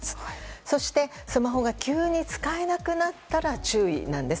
そして、スマホが急に使えなくなったら注意です。